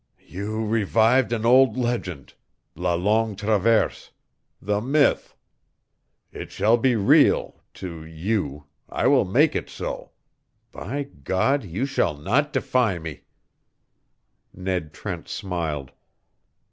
"You revived an old legend la Longue Traverse the myth. It shall be real to you I will make it so. By God, you shall not defy me " Ned Trent smiled.